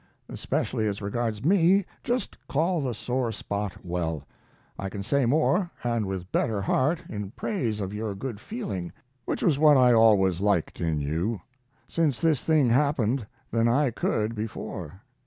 Especially as regards me, just call the sore spot well. I can say more, and with better heart, in praise of your good feeling (which was what I always liked in you), since this thing happened than I could before.